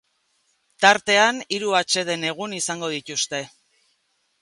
Tartean, hiru atseden-egun izango dituzte.